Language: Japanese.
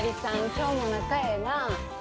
今日も仲ええな。